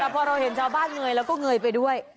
แต่พอเราเห็นชาวบ้านเงยแล้วก็เงยไปด้วย